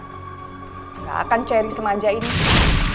nggak akan cherry semanjain dia